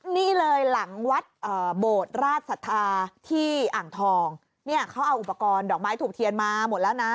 นี่เลยหลังวัดโบดราชศรัทธาที่อ่างทองเนี่ยเขาเอาอุปกรณ์ดอกไม้ถูกเทียนมาหมดแล้วนะ